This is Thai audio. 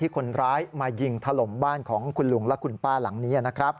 คนร้ายมายิงถล่มบ้านของคุณลุงและคุณป้าหลังนี้นะครับ